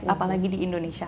apalagi di indonesia